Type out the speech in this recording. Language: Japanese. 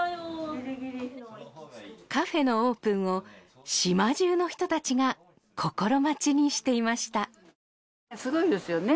ギリギリカフェのオープンを島じゅうの人たちが心待ちにしていましたすごいですよね